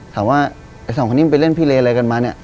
ไอ้สองคนนี้มันไปเล่นพิเลอะไรกันมาเนี่ย